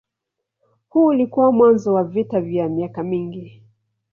Huu ulikuwa mwanzo wa vita vya miaka mingi.